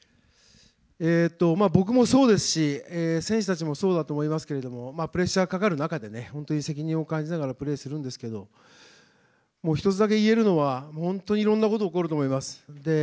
僕もそうですし、選手たちもそうだと思いますけれども、プレッシャーかかる中でね、本当に責任を感じながらプレーするんですけれども、もう、１つだけいえるのは、本当にいろんなこと起こると思います。